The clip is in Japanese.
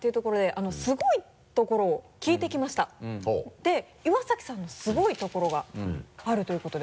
で岩崎さんのすごいところがあるということで。